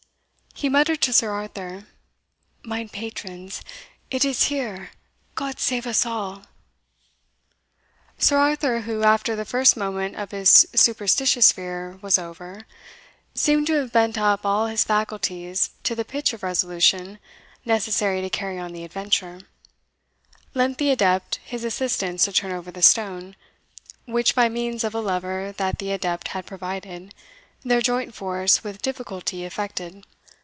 He muttered to Sir Arthur, "Mine patrons, it is here Got save us all!" Sir Arthur, who, after the first moment of his superstitious fear was over, seemed to have bent up all his faculties to the pitch of resolution necessary to carry on the adventure, lent the adept his assistance to turn over the stone, which, by means of a lever that the adept had provided, their joint force with difficulty effected.